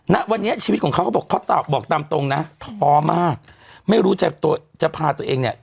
ณวันนี้ชีวิตของเขาก็บอกตามตรงนะทอมากไม่รู้จะพาตัวเองเนี่ย